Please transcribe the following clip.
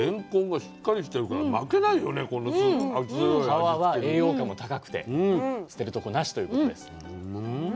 皮は栄養価も高くて捨てるとこなしということです。